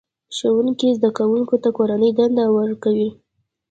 ښوونکی زده کوونکو ته کورنۍ دنده ورکوي